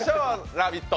「ラヴィット！」